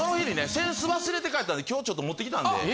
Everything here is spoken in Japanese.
扇子忘れて帰ったんで今日ちょっと持ってきたんで。